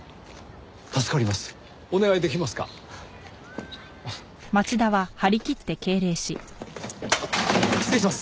助かります。